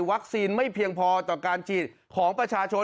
ไม่เพียงพอต่อการฉีดของประชาชน